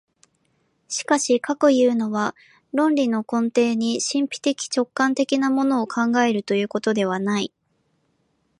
しかしかくいうのは、論理の根底に神秘的直観的なものを考えるということではない。